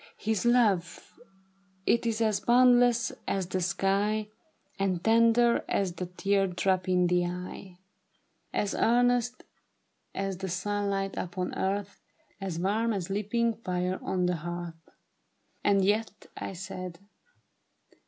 His love — it is as boundless as the sky, And tender as the tear drop in the eye, ISABEL MAYNOR. As earnest as the sunlight upon earth, As warm as leaping fire on the hearth.' 85 "/ And yet —' I said.